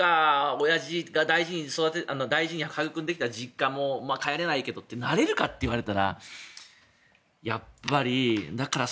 親父が大事に育んできた実家にも帰れないけどってなれるかっていわれたらやっぱり。